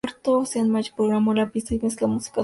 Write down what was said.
Sean McGhee programó la pista y mezcló la música y las voces.